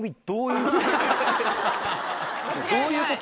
どういうこと？